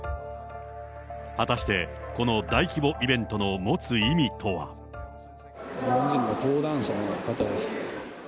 果たして、この大規模イベントの持つ意味とは。日本人の登壇者の方です。